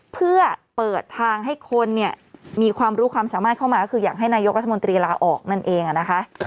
เพื่อเปิดทางให้คนเนี่ยมีความรู้ความสามารถเข้ามาก็คืออยากให้นายกรัฐมนตรีลาออกนั่นเองนะคะ